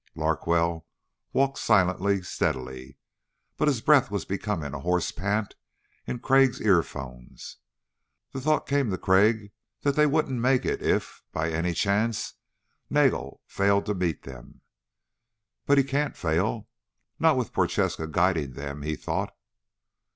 Larkwell walked silently, steadily, but his breath was becoming a hoarse pant in Crag's earphones. The thought came to Crag that they wouldn't make it if, by any chance, Nagel failed to meet them. But he can't fail not with Prochaska guiding them, he thought.